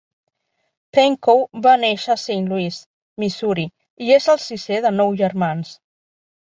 Pankow va néixer a Saint Louis, Missouri, i és el sisè de nou germans.